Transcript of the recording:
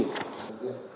đại tướng tô lâm